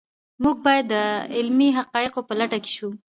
موږ باید د علمي حقایقو په لټه کې شو.